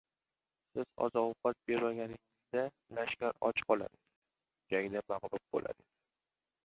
Siz oziq-ovqat bermaganingizda lashkar och qolar edi, jangda mag‘lub bo‘lar edi!